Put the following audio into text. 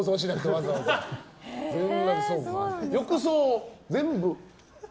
浴槽、全部？